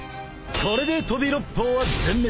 ［これで飛び六胞は全滅］